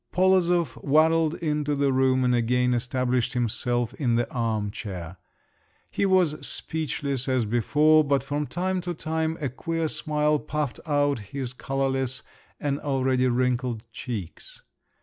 Polozov waddled into the room and again established himself in the arm chair. He was speechless as before; but from time to time a queer smile puffed out his colourless and already wrinkled cheeks.